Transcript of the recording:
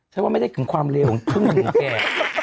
ฉันว่าไม่ได้กับความเลวขึ้นแก